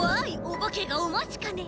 おばけがおまちかね。